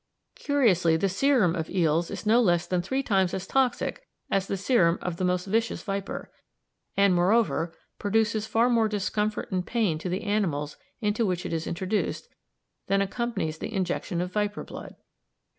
Curiously, the serum of eels is no less than three times as toxic as the serum of the most vicious viper, and, moreover, produces far more discomfort and pain to the animals into which it is introduced than accompanies the injection of viper blood.